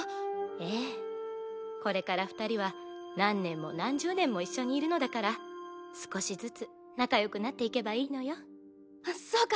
ええこれから二人は何年も何十年も一緒にいるのだから少しずつ仲よくなっていけばいいのよそうか。